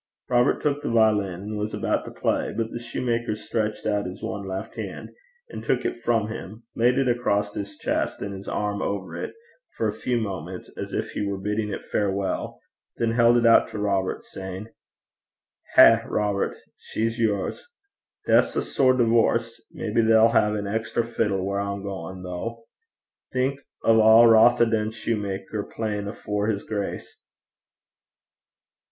Robert took the violin, and was about to play, but the soutar stretched out his one left hand, and took it from him, laid it across his chest and his arm over it, for a few moments, as if he were bidding it farewell, then held it out to Robert, saying, 'Hae, Robert. She's yours. Death's a sair divorce. Maybe they 'll hae an orra fiddle whaur I'm gaein', though. Think o' a Rothieden soutar playin' afore his grace!'